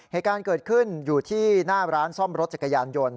เหตุการณ์เกิดขึ้นอยู่ที่หน้าร้านซ่อมรถจักรยานยนต์